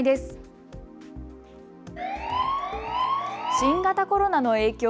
新型コロナの影響？